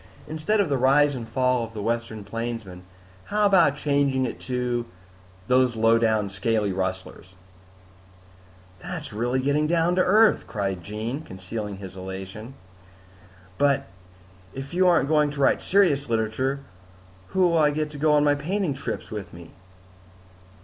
Instead of The Rise and Fall of the Western Plainsman, how about changing it to Those Lowdown Scaly Rustlers?" "That's really getting down to earth," cried Jean, concealing his elation. "But if you aren't going to write serious literature, who will I get to go on my painting trips with me?"